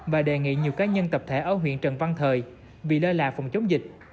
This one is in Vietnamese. và đề nghị nhiều cá nhân tập thể ở huyện trần văn thời vì lơ là phòng chống dịch